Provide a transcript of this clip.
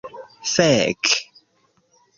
Fek'